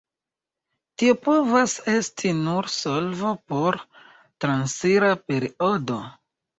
Tio povas esti nur solvo por transira periodo.